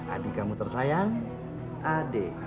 adik kamu tersayang ade